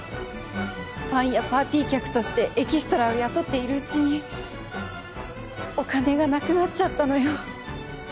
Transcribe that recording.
ファンやパーティー客としてエキストラを雇っているうちにお金がなくなっちゃったのよ。